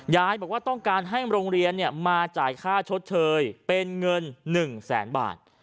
ยายบอกว่าต้องการให้โรงเรียนมาจ่ายค่าชดเชยเป็นเงิน๑แสนบาท